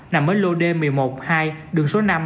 nằm ở lô d một mươi một hai đường số năm